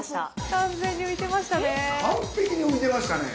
完璧に浮いてましたね。